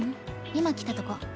今来たとこ。